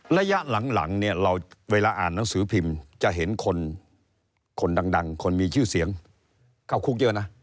ระยะหลังเนี่ยเราเวลาอ่านหนังสือพิมพ์จะเห็นคนดังคนมีชื่อเสียงเข้าคุกเยอะนะ